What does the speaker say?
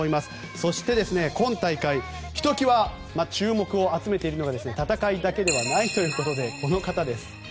そして今大会ひと際、注目を集めているのが戦いだけではないということでこの方です。